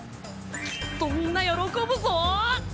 きっとみんな喜ぶぞ。